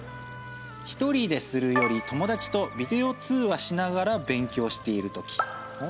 「一人でするより友だちとビデオ通話しながら勉強しているとき」。